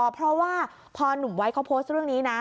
เพราะว่าพอหนุ่มไว้เขาโพสต์เรื่องนี้นะ